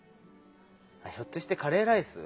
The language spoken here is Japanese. ひょっとしてカレーライス？